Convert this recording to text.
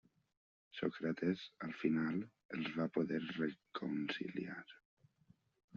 Sòcrates al final els va poder reconciliar.